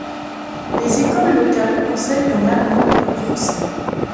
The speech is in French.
Les écoles locales enseignent en allemand et en français.